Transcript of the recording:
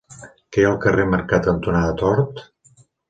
Què hi ha al carrer Mercat cantonada Tort?